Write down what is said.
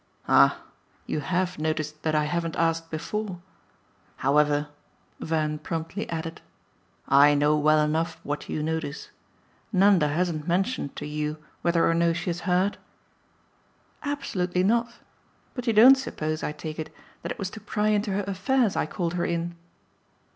"Ah you HAVE noticed that I haven't asked before? However," Van promptly added, "I know well enough what you notice. Nanda hasn't mentioned to you whether or no she has heard?" "Absolutely not. But you don't suppose, I take it, that it was to pry into her affairs I called her in."